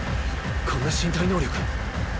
こんな身体能力ッ！